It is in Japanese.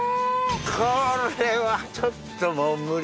これはちょっともう無理。